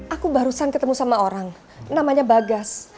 aku barusan ketemu sama orang namanya bagas